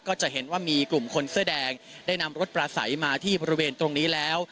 ก็จะเห็นว่ามีกลุ่มคนเสื้อแดงได้นำรถปลาใสมาที่บริเวณตรงนี้แล้ว